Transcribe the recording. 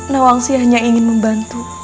nawangsi hanya ingin membantu